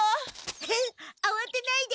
ヘヘッあわてないで。